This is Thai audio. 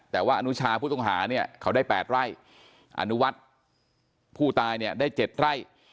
แต่ว่าอนุชาผู้ต้องหาเนี่ยเขาได้๘ไร่อนุมัติผู้ตายเนี่ยได้๗ไร่